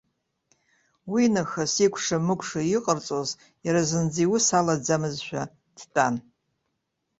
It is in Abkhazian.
Уинахыс икәша-мыкәша иҟарҵоз иара зынӡа иус алаӡамызшәа дтәан.